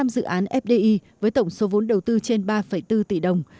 tám trăm linh dự án fdi với tổng số vốn đầu tư trên ba bốn tỷ đồng